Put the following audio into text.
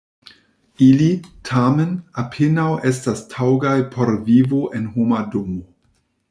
Ili, tamen, apenaŭ estas taŭgaj por vivo en homa domo.